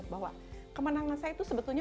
bahwa kemenangan saya itu sebetulnya